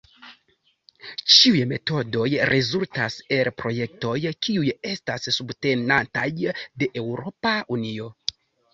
Ĉiuj metodoj rezultas el projektoj kiuj estas subtenataj de Eŭropa Unio.